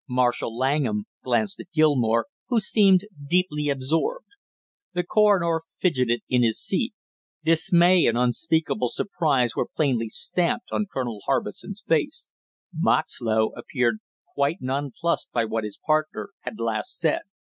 Marshall Langham glanced at Gilmore, who seemed deeply absorbed. The coroner fidgeted in his seat; dismay and unspeakable surprise were plainly stamped on Colonel Harbison's face; Moxlow appeared quite nonplussed by what his partner had last said.